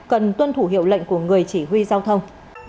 cần tuân thủ hiệu lệnh của người chỉ huy giao thông